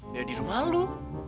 ya di rumah lu